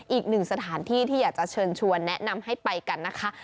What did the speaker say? อีกหนึ่งสถานที่ที่อยากจะเชิญชวนแนะนำให้ไปกันนะคะ